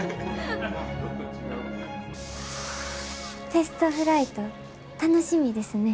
テストフライト楽しみですね。